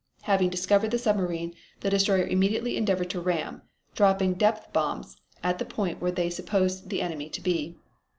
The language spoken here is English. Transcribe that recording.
Having discovered the submarine the destroyer immediately endeavored to ram, dropping depth bombs at the point where they supposed the enemy to be.